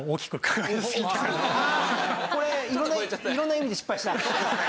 ああこれ色んな意味で失敗した。